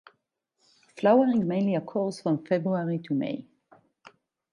Flowering mainly occurs from February to May.